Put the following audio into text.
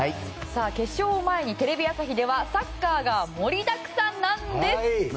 決勝を前にテレビ朝日ではサッカーが盛りだくさんなんです！